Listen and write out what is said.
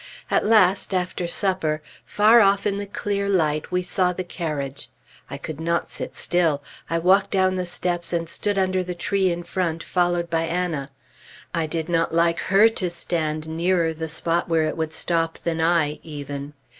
At last, after supper, far off in the clear light we saw the carriage. I could not sit still. I walked down the steps and stood under the tree in front, followed by Anna. I did not like her to stand nearer the spot where it would stop than I, even.